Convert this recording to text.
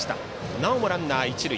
なおもランナー、一塁。